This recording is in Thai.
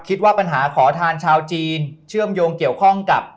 คิดว่าปัญหาขอทานชาวจีนเชื่อมโยงเกี่ยวข้องกับ